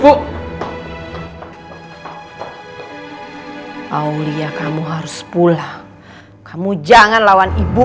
paulia kamu harus pulang kamu jangan lawan ibu